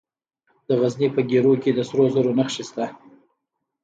د غزني په ګیرو کې د سرو زرو نښې شته.